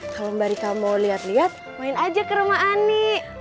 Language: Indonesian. kalau mbak rika mau lihat lihat main aja ke rumah ani